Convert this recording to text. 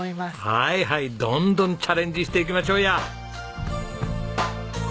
はいはいどんどんチャレンジしていきましょうや。